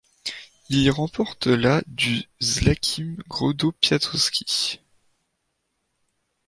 Il y remporte la du Szlakiem Grodów Piastowskich.